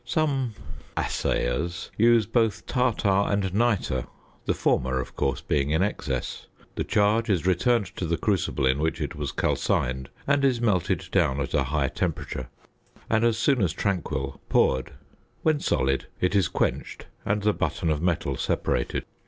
Some "assayers" use both tartar and nitre, the former of course being in excess. The charge is returned to the crucible in which it was calcined, and is melted down at a high temperature, and, as soon as tranquil, poured. When solid it is quenched and the button of metal separated.